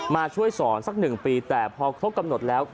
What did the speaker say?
มาช่วยสอนสัก๑ปีแต่พอครบกำหนดแล้ว